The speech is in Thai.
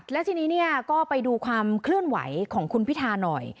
และทีนี้ก็ไปดูความเคลื่อนไหวของคุณพิธาหน่อย